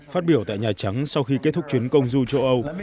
phát biểu tại nhà trắng sau khi kết thúc chuyến công du châu âu